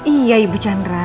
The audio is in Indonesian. iya ibu chandra